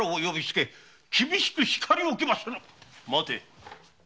待て！